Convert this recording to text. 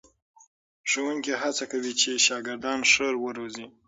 ښوونکي هڅه کوي چې شاګردان ښه وروزي.